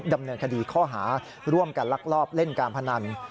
ดำเนินคดีข้อหาร่วมกันลักลอบเล่นการพนัน